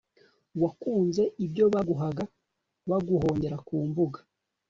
wakunze ibyo baguhaga baguhongera ku mbuga